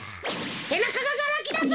せなかががらあきだぞ！